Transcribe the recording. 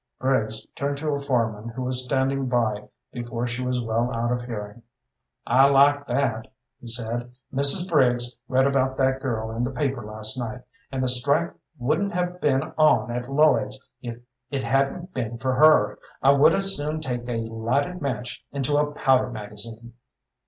Briggs turned to a foreman who was standing by before she was well out of hearing. "I like that!" he said. "Mrs. Briggs read about that girl in the paper last night, and the strike wouldn't have been on at Lloyd's if it hadn't been for her. I would as soon take a lighted match into a powder magazine."